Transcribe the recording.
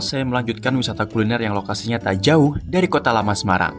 saya melanjutkan wisata kuliner yang lokasinya tak jauh dari kota lama semarang